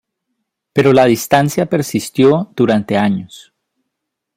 Pero la distancia persistió durante años.